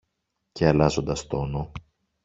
Και αλλάζοντας τόνο